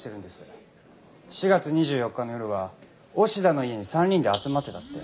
４月２４日の夜は押田の家に３人で集まってたって。